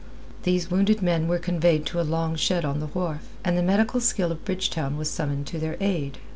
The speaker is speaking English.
These wounded men were conveyed to a long shed on the wharf, and the medical skill of Bridgetown was summoned to their aid.